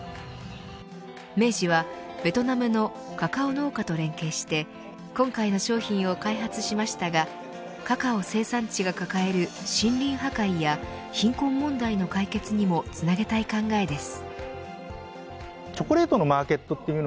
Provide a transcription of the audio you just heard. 明治はベトナムのカカオ農家と連携して今回の商品を開発しましたがカカオ生産地が抱える森林破壊や貧困問題の解決にもつなげたい考えです。